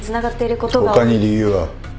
他に理由は？